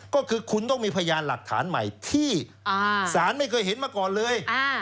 ก็คือคุณต้องมีพยานหลักฐานใหม่ที่ศาลไม่เคยเห็นมาก่อนเลย